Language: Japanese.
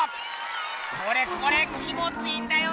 これこれ気もちいいんだよな！